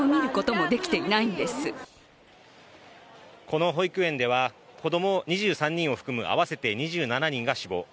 この保育園では、子供２３人を含む合わせて２７人が死亡。